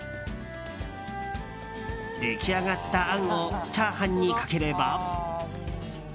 出来上がったあんをチャーハンにかければ。